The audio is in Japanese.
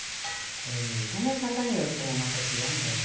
これね炒め方によってもまた違うんだよね。